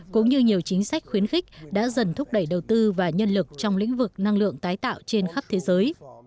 cũng như nhiều chính sách khuyến khích đã dần thúc đẩy đầu tư và nhân lực trong lĩnh vực năng lượng tái tạo trên khắp thế giới